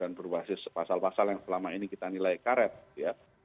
dan berbasis pasal pasal yang selama ini kita nilai karet ya